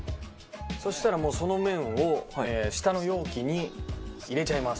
そしたらその麺を下の容器に入れちゃいます。